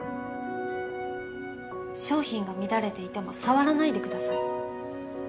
商品が乱れていても触らないでください。